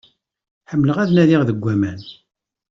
Ḥemmleɣ ad nadiɣ deg aman.